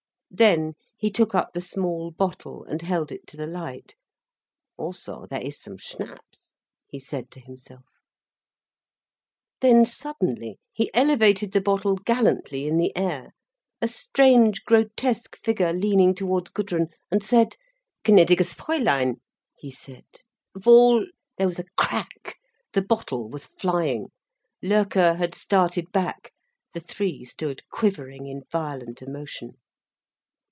Then he took up the small bottle, and held it to the light. "Also there is some Schnapps," he said to himself. Then suddenly, he elevated the battle gallantly in the air, a strange, grotesque figure leaning towards Gudrun, and said: "Gnädiges Fräulein," he said, "wohl—" There was a crack, the bottle was flying, Loerke had started back, the three stood quivering in violent emotion.